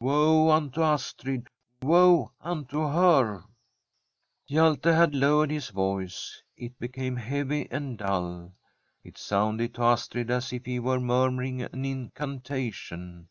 Woe unto Astrid 1 woe unto her ! Hjalte had lowered his voice ; it became heavy and dull ; it sounded to Astrid as if he were mur muring an incantation.